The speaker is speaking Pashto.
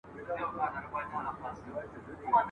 د ایوب تر لوند ګرېوانه `